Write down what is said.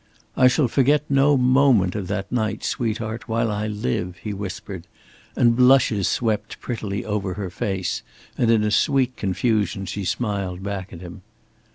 "I shall forget no moment of that night, sweetheart, while I live," he whispered; and blushes swept prettily over her face, and in a sweet confusion she smiled back at him.